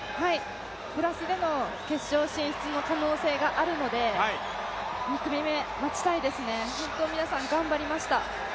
プラスでの決勝進出の可能性があるので２組目、待ちたいですね、本当に皆さん、頑張りました。